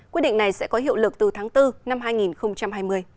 quyết định này sẽ có hiệu lực từ tháng bốn năm hai nghìn hai mươi